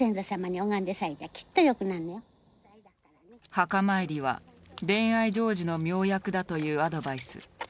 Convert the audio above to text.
墓参りは恋愛成就の妙薬だというアドバイス。